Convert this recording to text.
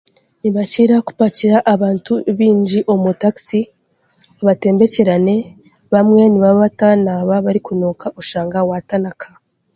Nibakira kupakira abantu baingi omu takisi batembekyerane bamwe nibaba bataanaaba barikunuuka oshanga waatanaka